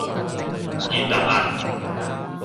熱辣辣